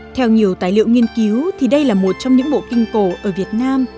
theo nhiều tài liệu nghiên cứu thì đây là một trong những bộ kinh cổ ở việt nam